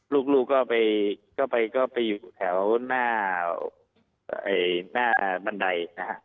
ลูกก็ไปอยู่แถวหน้าบันไดนะฮะ